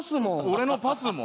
俺のパスモ？